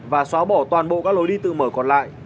và xóa bỏ toàn bộ các lối đi tự mở còn lại